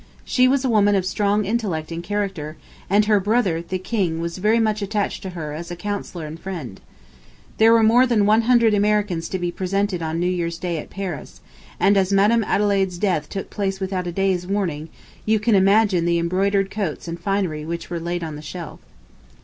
She was a woman of strong intellect and character, and her brother, the King, was very much attached to her as a counsellor and friend. ... There were more than 100 Americans to be presented on New Year's Day at Paris, and, as Madam Adelaide's death took place without a day's warning, you can imagine the embroidered coats and finery which were laid on the shelf.